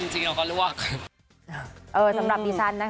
จริงมันคือล่วง